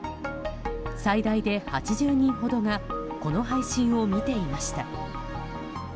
最大で８０人ほどがこの配信を見ていました。